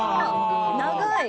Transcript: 長い！